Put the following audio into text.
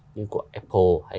như của apple